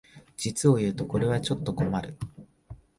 実をいうとこれはちょっと困る